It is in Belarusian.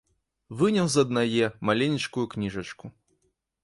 Выняў з аднае маленечкую кніжачку.